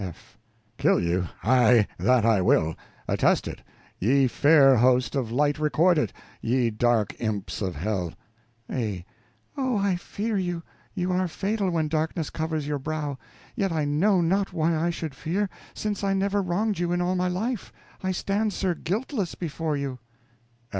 F. Kill you, aye, that I will; attest it, ye fair host of light, record it, ye dark imps of hell! A. Oh, I fear you you are fatal when darkness covers your brow; yet I know not why I should fear, since I never wronged you in all my life. I stand, sir, guiltless before you.